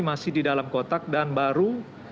masih di dalam kotak dan baru